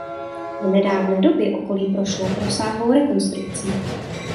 V nedávné době okolí prošlo rozsáhlou rekonstrukcí.